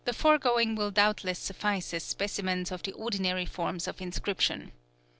_ The foregoing will doubtless suffice as specimens of the ordinary forms of inscription.